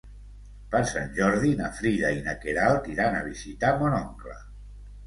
Per Sant Jordi na Frida i na Queralt iran a visitar mon oncle.